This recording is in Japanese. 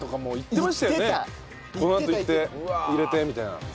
このあと行って入れてみたいな。